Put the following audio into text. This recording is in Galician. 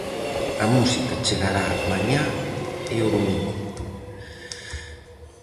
A música chegará mañá e o domingo.